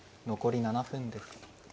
残り７分です。